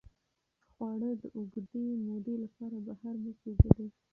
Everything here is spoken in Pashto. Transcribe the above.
خواړه د اوږدې مودې لپاره بهر مه پرېږدئ.